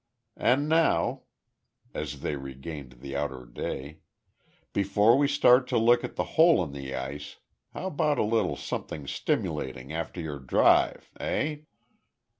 And now," as they regained the outer day, "before we start to look at the hole in the ice, how about a little something stimulating after your drive. Eh?"